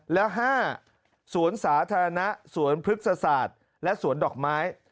แล้ว๕สวนสาธารณะสวนพฤกษศาสตร์และสวนดอกไม้